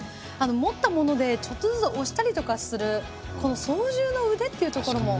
持ったものでちょっとずつ押したりとかするこの操縦の腕っていうところも。